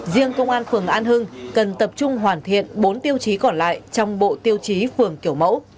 riêng công an phường an hưng cần tập trung hoàn thiện bốn tiêu chí còn lại trong bộ tiêu chí phường kiểu mẫu